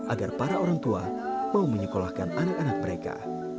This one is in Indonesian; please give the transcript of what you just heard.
agar para orang tua mau menyekolahkan anak anak mereka